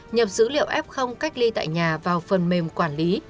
nhập dữ liệu f cách ly tại nhà vào phần mềm quản lý